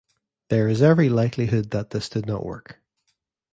There is every likelihood that this did not work.